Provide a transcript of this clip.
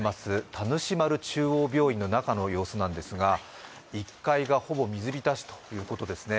田主丸中央病院の中の様子なんですが、１階がほぼ水浸しということですね